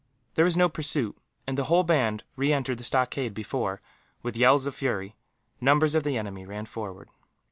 There was no pursuit, and the whole band re entered the stockade before, with yells of fury, numbers of the enemy ran forward.